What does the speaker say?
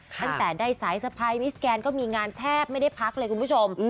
ตั้งแต่ได้สายสะพายมิสแกนก็มีงานแทบไม่ได้พักเลยคุณผู้ชม